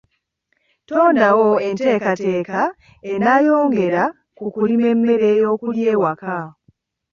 Tondawo enteekateeka enaayongera ku kulima emmere y'okulya ewaka.